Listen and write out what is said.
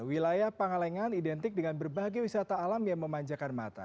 wilayah pangalengan identik dengan berbagai wisata alam yang memanjakan mata